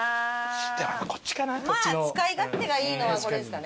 まあ使い勝手がいいのはこれですかね。